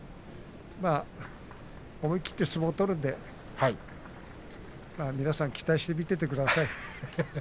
思い切って相撲を取るので皆さん期待して見ていてください。